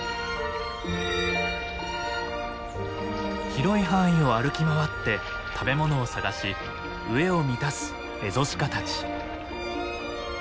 広い範囲を歩き回って食べ物を探し飢えを満たすエゾシカたち。